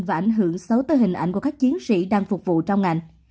và ảnh hưởng xấu tới hình ảnh của các chiến sĩ đang phục vụ trong ngành